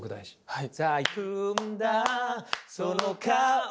はい。